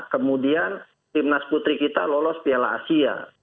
kemudian tim nas putri kita lolos piala asia